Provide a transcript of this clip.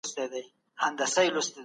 صنعت ته وده ورکړئ.